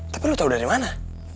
tapi lo tau dari mana